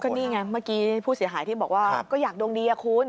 นี่ไงเมื่อกี้ผู้เสียหายที่บอกว่าก็อยากดวงดีอะคุณ